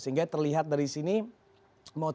sehingga terlihat dari sini mau tidak mau barangnya